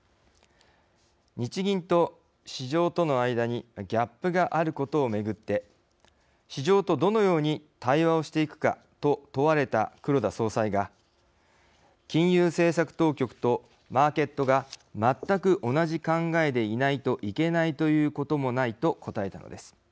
日銀と市場との間にギャップがあることを巡って市場と、どのように対話をしていくかと問われた黒田総裁が金融政策当局とマーケットが全く同じ考えでいないといけないということもないと答えたのです。